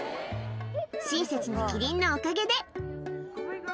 親切なキリンのおかげで。